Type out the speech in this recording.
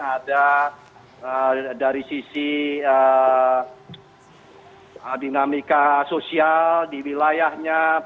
ada dari sisi dinamika sosial di wilayahnya